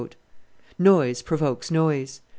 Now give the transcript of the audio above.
Noise provokes noise.